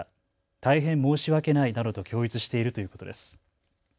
大変申し訳ないなどと供述しているということです。